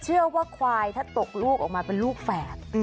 เชื่อว่าควายถ้าตกลูกออกมาเป็นลูกแฝด